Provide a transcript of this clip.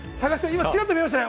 今、ちらっと見えましたね。